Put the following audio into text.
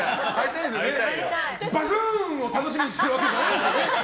バフーン！を楽しみにしてるわけじゃないですよね。